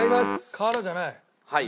瓦じゃない。